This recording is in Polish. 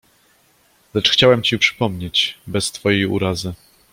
Lecz chciałem ci przypomnieć, bez twojej urazy